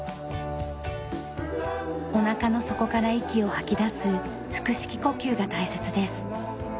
おなかの底から息を吐き出す腹式呼吸が大切です。